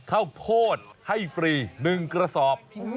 ข้าวโพดให้ฟรี๑กระสอบ